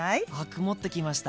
曇ってきました。